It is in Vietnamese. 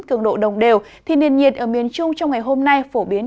cường độ đồng đều thì nền nhiệt ở miền trung trong ngày hôm nay phổ biến